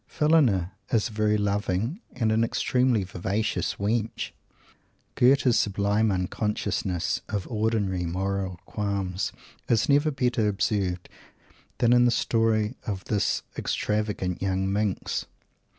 Phillina is a very loving and an extremely vivacious wench. Goethe's sublime unconsciousness of ordinary moral qualms is never better observed than in the story of this extravagant young minx.